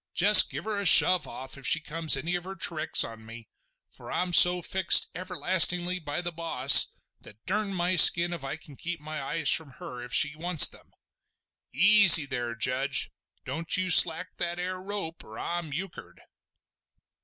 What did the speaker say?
Jest give her a shove off if she comes any of her tricks on me, for I'm so fixed everlastingly by the boss, that durn my skin if I can keep my eyes from her if she wants them! Easy there, Judge! don't you slack that ar rope or I'm euchered!"